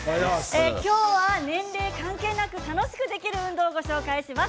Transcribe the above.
今日は年齢関係なく楽しくできる運動をご紹介します。